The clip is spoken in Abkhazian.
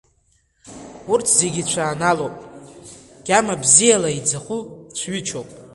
Урҭ зегьы цәанаалоуп, гьама бзиала иӡаху цәҩычоуп.